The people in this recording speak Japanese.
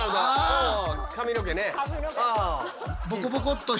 髪の毛ね。